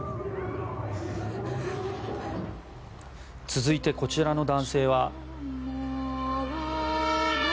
続いてこちらの男性は。